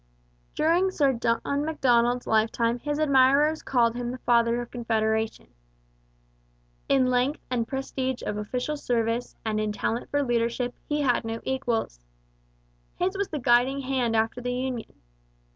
During Sir John Macdonald's lifetime his admirers called him the Father of Confederation. In length and prestige of official service and in talent for leadership he had no equals. His was the guiding hand after the union.